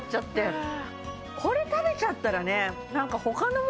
うわっこれ食べちゃったらね